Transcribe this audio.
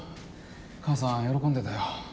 母さん喜んでたよ。